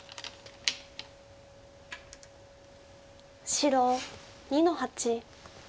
白２の八。